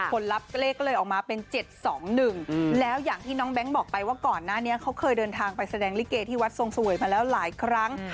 รับเลขก็เลยออกมาเป็น๗๒๑แล้วอย่างที่น้องแบงค์บอกไปว่าก่อนหน้านี้เขาเคยเดินทางไปแสดงลิเกที่วัดทรงเสวยมาแล้วหลายครั้ง